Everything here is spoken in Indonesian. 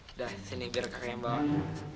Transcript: udah sini biar kakak yang bawain